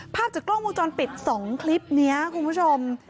ภาพจากกล้องวงจรปิด๒คลิปนี้คุณผู้ชม